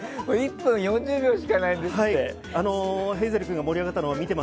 １分４０秒しかないんですって。